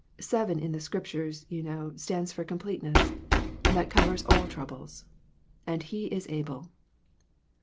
Seven in the Scriptures, you know, stands for completeness. That covers all troubles. And He is able."